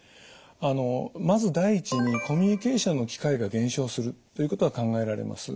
まず第一にコミュニケーションの機会が減少するということが考えられます。